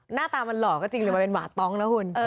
หน้าตามันหล่อก็จริงหรือมันเป็นหวาดต้องนะคุณ